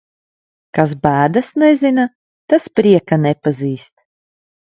Kas bēdas nezina, tas prieka nepazīst.